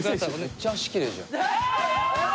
・めっちゃ足きれいじゃんええー！